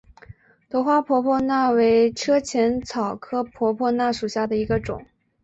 头花婆婆纳为车前草科婆婆纳属下的一个种。